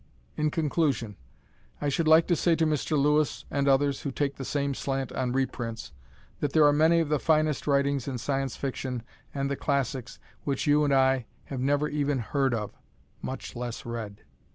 In conclusion I should like to say to Mr. Lewis and others who take the same slant on reprints, that there are many of the finest writings in Science Fiction and the classics which you and I have never even heard of, much less read.